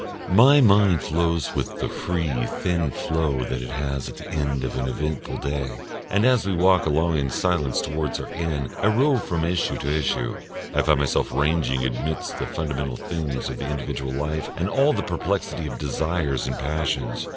My mind flows with the free, thin flow that it has at the end of an eventful day, and as we walk along in silence towards our inn I rove from issue to issue, I find myself ranging amidst the fundamental things of the individual life and all the perplexity of desires and passions.